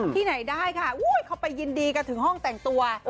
ที่ไหนได้ค่ะเขาไปยินดีกันถึงห้องแต่งตัว